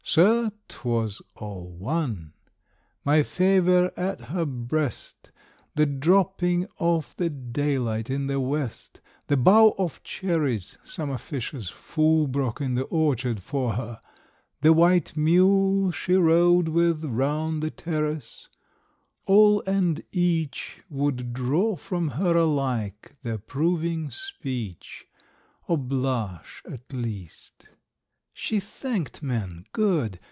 Sir, 'twas all one! My favour at her breast, The dropping of the daylight in the West, The bough of cherries some officious fool Broke in the orchard for her, the white mule She rode with round the terrace all and each Would draw from her alike the approving speech, 30 Or blush, at least. She thanked men good!